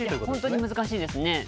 本当に難しいですね。